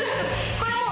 これもう。